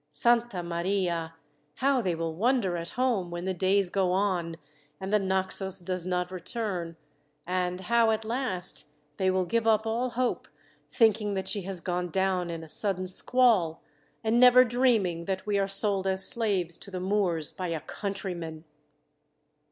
Santa Maria, how they will wonder at home, when the days go on, and the Naxos does not return, and how at last they will give up all hope, thinking that she has gone down in a sudden squall, and never dreaming that we are sold as slaves to the Moors by a countryman!"